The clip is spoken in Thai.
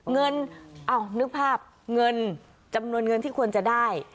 เงินเอ้านึกภาพเงินจำนวนเงินที่ควรจะได้